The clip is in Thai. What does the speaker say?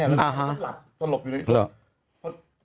แล้วละดสลบอยู่นั่งนะ